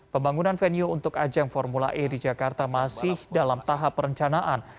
pembangunan venue untuk ajang formula e di jakarta masih dalam tahap perencanaan